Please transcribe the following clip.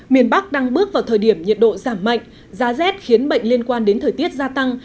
miền bắc đang bước vào thời điểm nhiệt độ giảm mạnh giá rét khiến bệnh liên quan đến thời tiết gia tăng